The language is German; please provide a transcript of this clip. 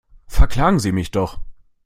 Verklagen Sie mich doch!